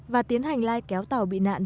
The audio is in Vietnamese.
và tiến hành lai kéo tàu bị nạn